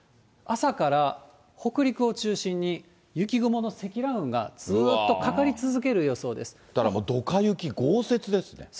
朝から北陸を中心に雪雲の積乱雲がずーっとかかり続ける予想だからどか雪、豪雪ですね。